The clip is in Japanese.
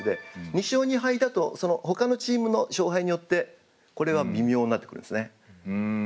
２勝２敗だとそのほかのチームの勝敗によってこれは微妙になってくるんですね。